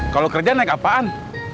kalo kerja naik apaan